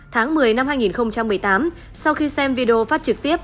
tháng một mươi năm hai nghìn một mươi tám sau khi xem video phát trực tiếp